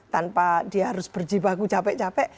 tanpa dia harus berjibaku capek capek